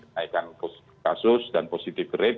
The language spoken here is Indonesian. naikan kasus dan positive rate